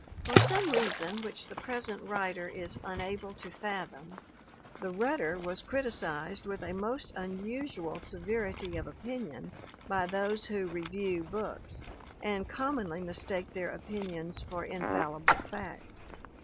For some reason which the present writer is unable to fathom, The Rudder was criticised with a most unusual severity of opinion by those who "re view" books and commonly mistake their opinions for infallible fact.